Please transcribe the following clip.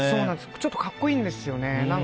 ちょっと格好いいんですよね。